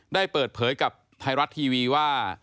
ได้เปิดเผยกับไทยรัฐทีวีว่า